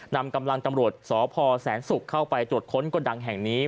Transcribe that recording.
นำกำลังตำรวจสพแสนศุกร์เข้าไปตรวจค้นกระดังแห่งนี้